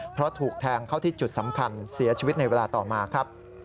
เพราะถูกแทงเข้าที่จุดสำคัญเสียชีวิตในเวลาต่อมาครับ